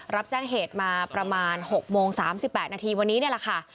รับแจ้งเหตุมาประมาณ๖โมง๓๘นาทีวันนี้นี่แหละค่ะ